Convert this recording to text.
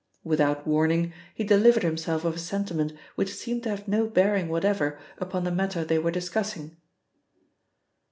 Without warning he delivered himself of a sentiment which seemed to have no bearing whatever upon the matter they were discussing.